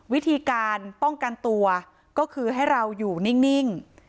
วิธีการป้องกันตัวก็คือให้เราอยู่นิ่ง